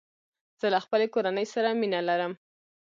زه له خپلي کورنۍ سره مينه لرم